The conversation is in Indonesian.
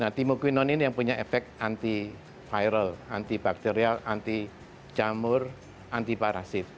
nah timoquinone ini yang punya efek anti viral anti bakterial anti jamur anti parasit